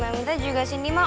emang kita juga sini ma